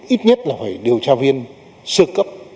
ít nhất là phải điều tra viên sơ cấp